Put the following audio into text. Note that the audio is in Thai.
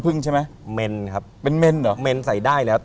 เริ่มโอ้ยมั้ย